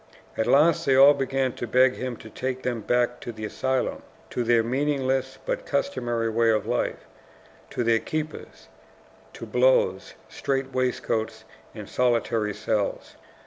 At last they all began to beg him to take them back to the asylum, to their meaningless but customary way of life, to their keepers, to blows, strait waistcoats, and solitary cells.